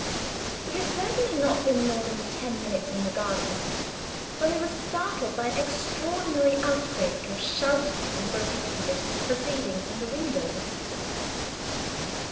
WE had certainly not been more than ten minutes in the garden, when we were startled by an extraordinary outbreak of shouting in broken English, proceeding from the window of the sitting room.